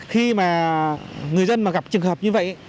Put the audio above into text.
khi mà người dân mà gặp trường hợp như vậy